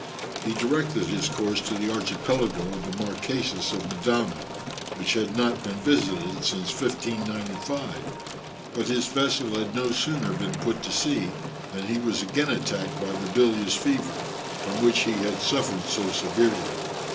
He directed his course to the archipelago of the Marquesas of Mendana, which had not been visited since 1595. But his vessel had no sooner been put to sea than he was again attacked by the bilious fever, from which he had suffered so severely.